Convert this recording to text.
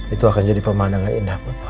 itu akan jadi pemandangan indah buat papa